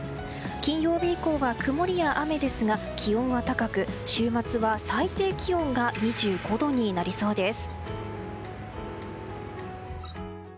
金曜日以降は曇りや雨ですが気温は高く、週末は最低気温が２５度になりそうです。